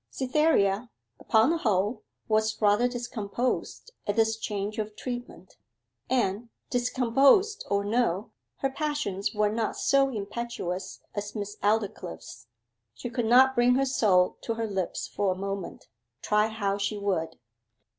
Cytherea, upon the whole, was rather discomposed at this change of treatment; and, discomposed or no, her passions were not so impetuous as Miss Aldclyffe's. She could not bring her soul to her lips for a moment, try how she would.